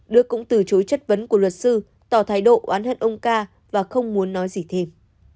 đức cũng từ chối chất vấn của luật sư tỏ thái độ oán hận ông ca và không muốn nói gì thêm